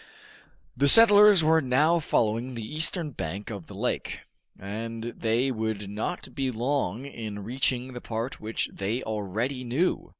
The settlers were now following the eastern bank of the lake, and they would not be long in reaching the part which they already knew.